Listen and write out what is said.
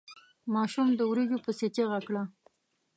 ماشوم د وريجو پسې چيغه کړه.